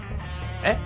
えっ？